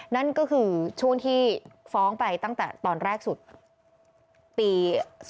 นั่นก็คือช่วงที่ฟ้องไปตั้งแต่ตอนแรกสุดปี๒๕๖